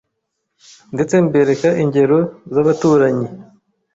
ndetse mbereka ingero z’abaturanyi